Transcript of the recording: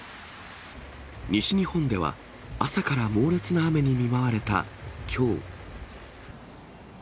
西日本では、朝から猛烈な雨に見舞われたきょう。